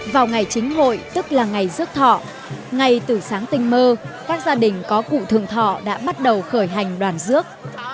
vào ngày chính hội tức là ngày rước thọ ngay từ sáng tinh mơ các gia đình có cụ thượng thọ đã bắt đầu khởi hành đoàn rước